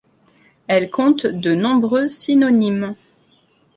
Elle compte de nombreux synonymes.